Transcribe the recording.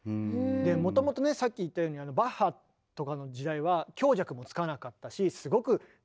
でもともとねさっき言ったようにバッハとかの時代は強弱もつかなかったしすごく鍵盤も狭かったんですね。